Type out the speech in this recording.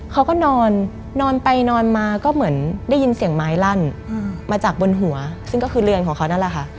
เขาก็นอนนอนไปนอนมาก็เหมือนได้ยินเสียงไม้ลั่นมาจากบนหัวซึ่งก็คือเรือนของเขานั่นแหละค่ะ